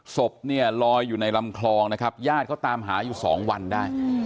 ศพเนี่ยลอยอยู่ในลำคลองนะครับญาติเขาตามหาอยู่๒วันได้